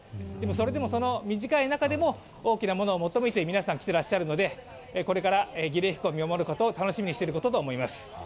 それでも短い中でも大きなものを求めて皆さん来てらっしゃるので、これから儀礼飛行を見守る方は楽しみにしていると思います。